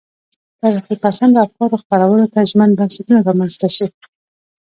ترقي پسندو افکارو خپرولو ته ژمن بنسټونه رامنځته شي.